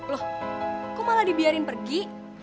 loh kok malah dibiarin pergi